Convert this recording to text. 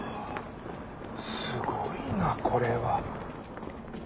すごいなこれは。